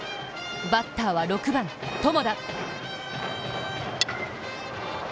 バッターは６番・友田。